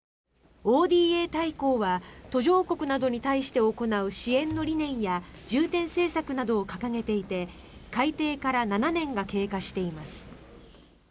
ＯＤＡ大綱は途上国などに対して行う支援の理念や重点政策などを掲げていて改定から７年が経過しています。